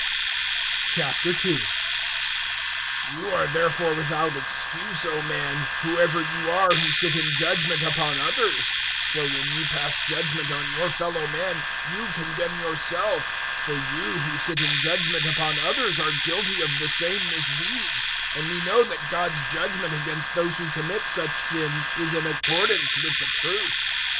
002:001 You are therefore without excuse, O man, whoever you are who sit in judgement upon others. For when you pass judgement on your fellow man, you condemn yourself; for you who sit in judgement upon others are guilty of the same misdeeds; 002:002 and we know that God's judgement against those who commit such sins is in accordance with the truth.